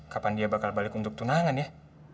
kapan dia bakal balik untuk tunangan ya